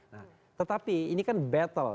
nah tetapi ini kan battle